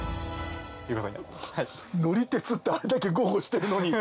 「乗り鉄」ってあれだけ豪語してるのに。